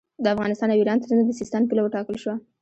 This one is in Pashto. د افغانستان او ایران ترمنځ د سیستان پوله وټاکل شوه.